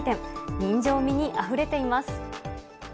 人情味にあふれています。